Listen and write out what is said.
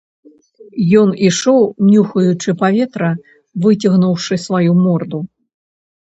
Ён ішоў, нюхаючы паветра, выцягнуўшы сваю морду.